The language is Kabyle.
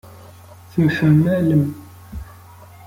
Temḥemmalem.